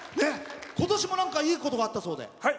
今年もいいことがあったそうで。